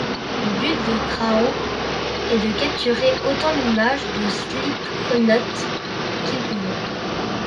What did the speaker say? Le but de Crahan est de capturer autant d'images de Slipknot qu'il pouvait.